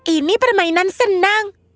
ini permainan senang